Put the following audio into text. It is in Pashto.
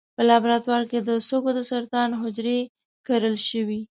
په لابراتوار کې د سږو د سرطان حجرې کرل شوي.